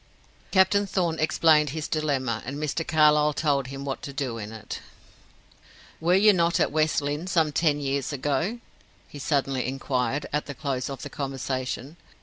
Captain Thorn explained his dilemma, and Mr. Carlyle told him what to do in it. "Were you not at West Lynne some ten years ago?" he suddenly inquired, at the close of the conversation.